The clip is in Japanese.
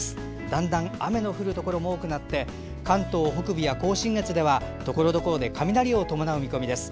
だんだん、雨の降るところも多くなって関東北部や甲信越ではところどころで雷を伴う見込みです。